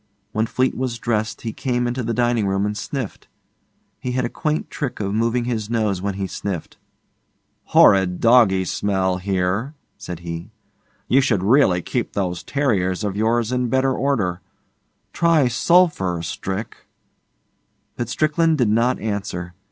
When Fleete was dressed he came into the dining room and sniffed. He had a quaint trick of moving his nose when he sniffed. 'Horrid doggy smell, here,' said he. 'You should really keep those terriers of yours in better order. Try sulphur, Strick.' But Strickland did not answer.